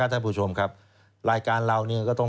หรือแค่เซฟอย่างเดียว